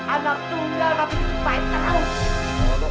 anak tunggal tapi kusumpain tau